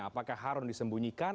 apakah harun disembunyikan